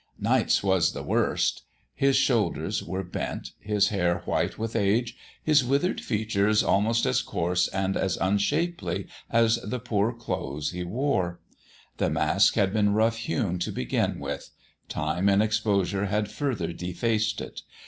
"Nights was the worst." His shoulders were bent, his hair white with age, his withered features almost as coarse and as unshapely as the poor clothes he wore. The mask had been rough hewn, to begin with; time and exposure had further defaced it.